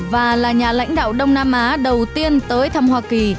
và là nhà lãnh đạo đông nam á đầu tiên tới thăm hoa kỳ